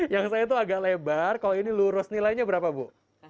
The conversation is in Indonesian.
yang saya tuh agak lebar kalau ini lurus nilainya berapa bu